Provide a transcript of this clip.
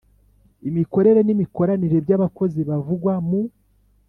Imikorere n imikoranire by abakozi bavugwa mu